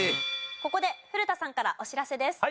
ここで古田さんからお知らせです。